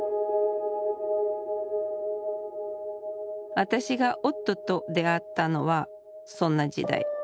私が夫と出会ったのはそんな時代。